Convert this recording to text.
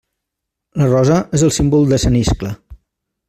La Rosa és el símbol de sant Iscle.